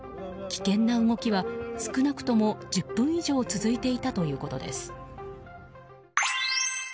危険な動きは少なくとも１０分以上続いていたということです。